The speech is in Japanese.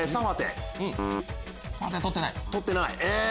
取ってない。